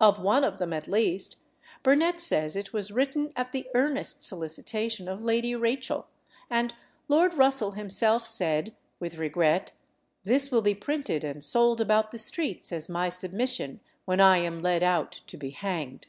Of one of them at least, Burnet says it was written at the earnest solicitation of Lady Rachel; and Lord Russell himself said, with regret, "This will be printed and sold about the streets as my submission when I am led out to be hanged."